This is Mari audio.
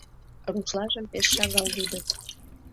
— Рушлажым пеш шагал лудыт.